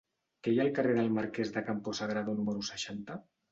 Què hi ha al carrer del Marquès de Campo Sagrado número seixanta?